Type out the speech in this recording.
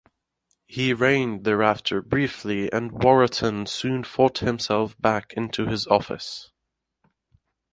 He reigned thereafter briefly and Waratton soon fought himself back into his office.